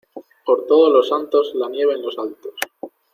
Por Todos los Santos, la nieve en los altos.